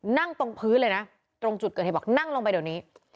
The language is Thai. นั่งตรงพื้นเลยนะตรงจุดเกิดเหตุบอกนั่งลงไปเดี๋ยวนี้